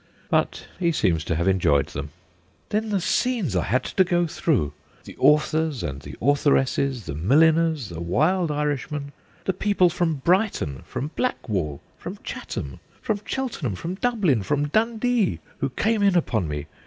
But he seems to have enjoyed them. ' Then the scenes I had to go through 1 The authors and the authoresses, the Milliners, the wild Irishmen, the people from Brighton, from Black wall, from Chatham, from Cheltenham, from Dublin, from Dundee, who came in upon me